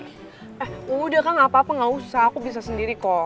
eh udah kak gapapa gausah aku bisa sendiri kok